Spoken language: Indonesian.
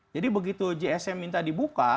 jadi begitu gsm minta dibuka